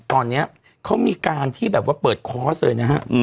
ตอนนี้เขามีการที่แบบว่าเปิดคอร์สเลยนะฮะ